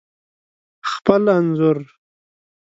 خپل انځور